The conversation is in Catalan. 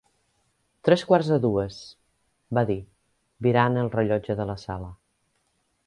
"Tres quarts de dues", va dir, mirant el rellotge de la sala.